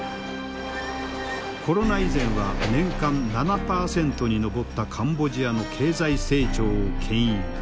コロナ以前は年間７％に上ったカンボジアの経済成長を牽引。